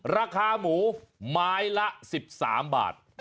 ราคาหมูไม้ละ๑๓บาท